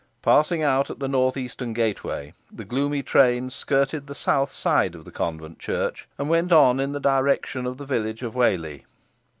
Passing out at the north eastern gateway, the gloomy train skirted the south side of the convent church, and went on in the direction of the village of Whalley.